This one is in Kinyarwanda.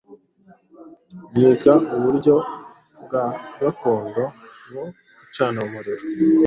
yiga uburyo bwa gakondo bwo gucana umuriro